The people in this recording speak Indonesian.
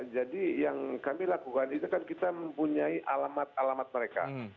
jadi yang kami lakukan itu kan kita mempunyai alamat alamat mereka